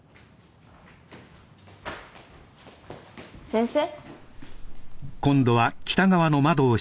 先生？